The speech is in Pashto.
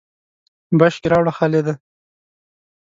بشکی راوړه خالده !